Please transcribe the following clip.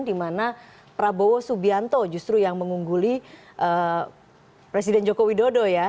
dimana prabowo subianto justru yang mengungguli presiden joko widodo ya